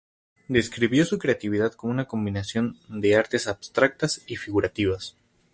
Describió su creatividad como una combinación de artes abstractas y figurativas.